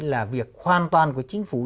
là việc hoàn toàn của chính phủ